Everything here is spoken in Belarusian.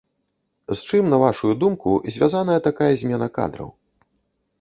З чым, на вашую думку, звязаная такая змена кадраў?